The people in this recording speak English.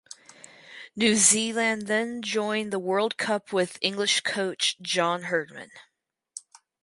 New Zealand then joined the World Cup with English coach John Herdman.